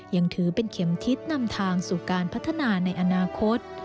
ยังถือเป็นเข็มทิศนำทางสู่การพัฒนาในอนาคต